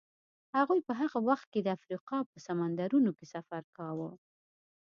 هغوی په هغه وخت کې د افریقا په سمندرونو کې سفر کاوه.